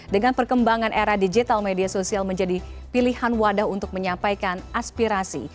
dengan perkembangan era digital media sosial menjadi pilihan wadah untuk menyampaikan aspirasi